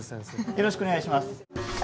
よろしくお願いします。